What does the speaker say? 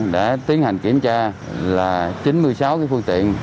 để tiến hành kiểm tra là chín mươi sáu phương tiện